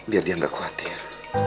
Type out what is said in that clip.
biar dia gak khawatir